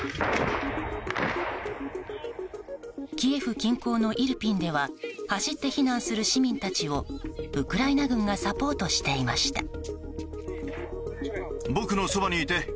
キエフ近郊のイルピンでは走って避難する市民たちをウクライナ軍がサポートしていました。